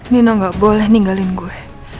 nino tidak boleh meninggalkan saya